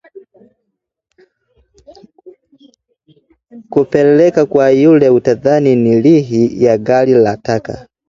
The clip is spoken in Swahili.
Kupeleka kwa yule utadhani ni rihi ya gari la taka